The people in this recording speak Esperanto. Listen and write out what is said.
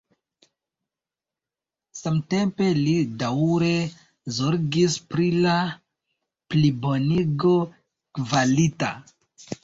Samtempe li daŭre zorgis pri la plibonigo kvalita.